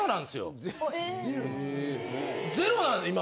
・え・ゼロなんで今。